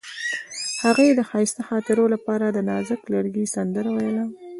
هغې د ښایسته خاطرو لپاره د نازک لرګی سندره ویله.